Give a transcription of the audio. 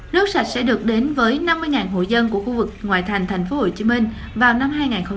nước sạch sẽ được đến với năm mươi hội dân của khu vực ngoài thành thành phố hồ chí minh vào năm hai nghìn một mươi chín